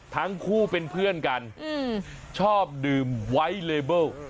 ทั้งคู่เป็นเพื่อนกันชอบดื่มไวท์เลเบิล